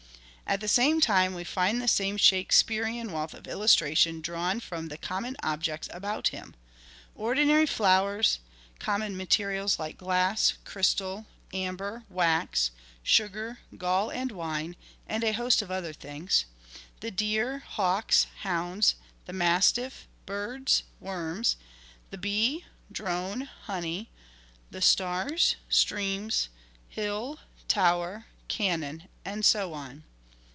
At the same time we find the same Shakespearean wealth of illustration drawn from the common objects about him : ordinary flowers ; common materials like glass, crystal, amber, wax, sugar, gall and wine, and a host of other things ; the deer, hawks, hounds, the mastiff, birds, worms, the i;2 MIAKESPEARE " IDENTIFIED bee, drone, honey, the stars, streams, hill, tower, cannon, and so on.